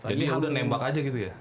jadi udah nembak aja gitu ya